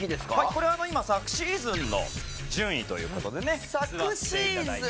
これは今昨シーズンの順位という事でね座っていただいています。